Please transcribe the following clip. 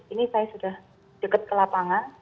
ini saya sudah dekat ke lapangan